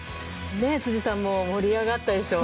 辻さんも盛り上がったでしょう。